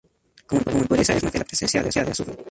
Como impureza es muy frecuente la presencia de azufre.